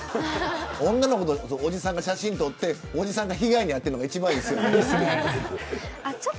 女の子とおじさんが写真撮っておじさんが被害に遭ってるのが一番いいですよね。